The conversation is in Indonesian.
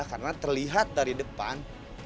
karena terlihat dari depan